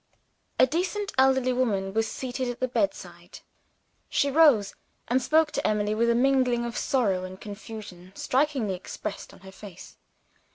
A decent elderly woman was seated at the bedside. She rose, and spoke to Emily with a mingling of sorrow and confusion strikingly expressed on her face.